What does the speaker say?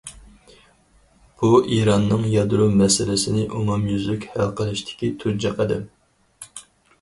بۇ ئىراننىڭ يادرو مەسىلىسىنى ئومۇميۈزلۈك ھەل قىلىشتىكى تۇنجى قەدەم.